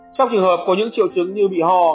trong trường hợp có những triệu chứng như bị ho